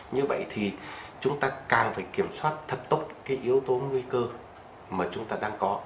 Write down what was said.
như vậy thì chúng ta càng phải kiểm soát thật tốt cái yếu tố nguy cơ mà chúng ta đang có